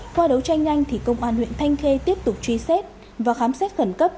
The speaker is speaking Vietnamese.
qua đấu tranh nhanh thì công an huyện thanh khê tiếp tục truy xét và khám xét khẩn cấp